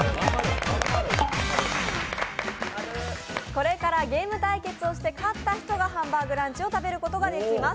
これからゲーム対決をして勝った人がハンバーグランチを食べることができます。